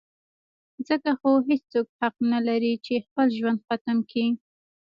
ځکه خو هېڅوک حق نه لري چې خپل ژوند ختم کي.